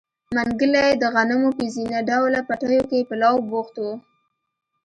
منګلی د غنمو په زينه ډوله پټيو کې په لو بوخت و.